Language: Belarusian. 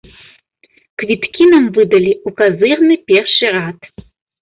Квіткі нам выдалі ў казырны першы рад.